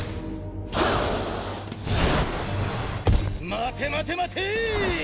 待て待て待てぇ！！